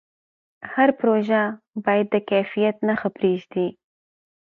هر پروژه باید د کیفیت نښه پرېږدي.